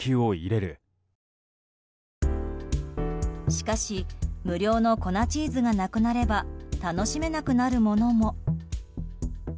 しかし無料の粉チーズがなくなれば楽しめなくなるものも。